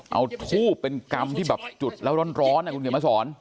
เอาทูบเป็นกรรมที่แบบจุดแล้วร้อนนะคุณเขียนมาสอน